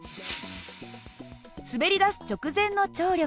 滑りだす直前の張力